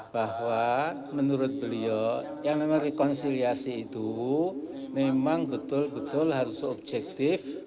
bahwa menurut beliau yang memang rekonsiliasi itu memang betul betul harus objektif